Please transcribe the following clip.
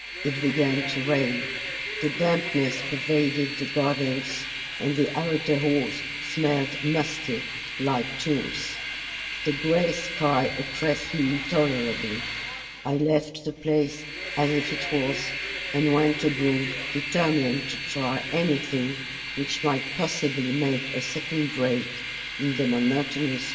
It began to rain. The dampness pervaded the gardens, and the outer halls smelled musty, like tombs; the gray sky oppressed me intolerably. I left the place as it was and went abroad, determined to try anything which might possibly make a second break in the monotonous melancholy from which I suffered.